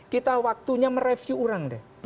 kita waktunya mereview ulang deh